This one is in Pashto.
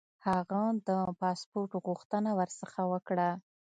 هغه د پاسپوټ غوښتنه ورڅخه وکړه.